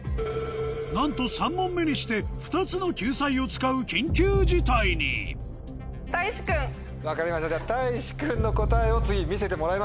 なんと３問目にして２つの救済を使う分かりましたではたいし君の答えを次見せてもらいましょう。